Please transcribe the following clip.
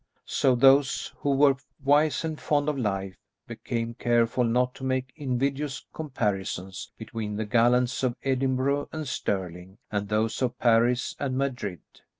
So those who were wise and fond of life, became careful not to make invidious comparisons between the gallants of Edinburgh and Stirling, and those of Paris and Madrid.